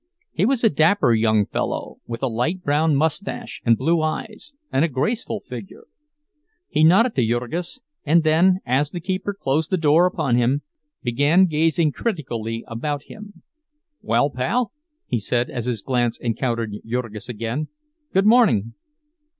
He was a dapper young fellow, with a light brown mustache and blue eyes, and a graceful figure. He nodded to Jurgis, and then, as the keeper closed the door upon him, began gazing critically about him. "Well, pal," he said, as his glance encountered Jurgis again, "good morning."